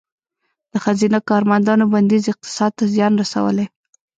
د ښځینه کارمندانو بندیز اقتصاد ته زیان رسولی؟